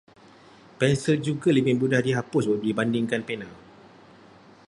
Pensil juga lebih mudah dihapus dibandingkan pena.